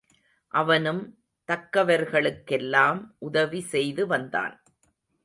அவனும் தக்கவர்களுக்கெல்லாம் உதவி செய்து வந்தான்.